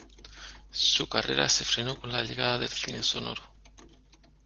Su carrera se frenó con la llegada del cine sonoro.